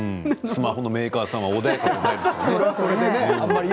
スマホのメーカーさんは穏やかでないですね。